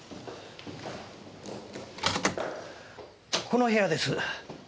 この部屋です。